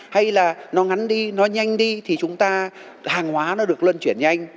hay là nó ngắn đi nó nhanh đi thì chúng ta hàng hóa nó được luân chuyển nhanh